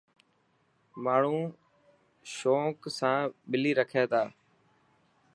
ماڻهو شونڪ سان ٻلي رکيا تا.